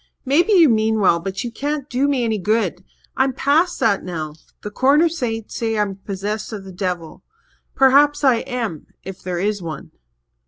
"Maybe you mean well but you can't do me any good. I'm past that now. The Corner saints say I'm possessed of the devil. Perhaps I am if there is one."